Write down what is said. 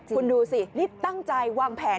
คุณดูสินี่ตั้งใจวางแผน